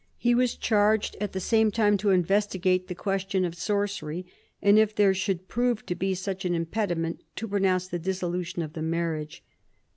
He was charged at the same time to investigate the question of sorcery, and if there should prove to be such an impediment to pronounce the dissolution of the marriage.